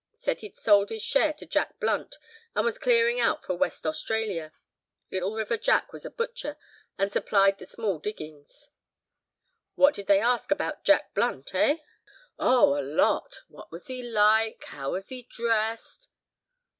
Said he'd sold his share to Jack Blunt, and was clearing out for West Australia. Little River Jack was a butcher, and supplied the small diggings." "What did they ask about Jack Blunt, eh?" "Oh! a lot. What was he like?—how was he dressed?"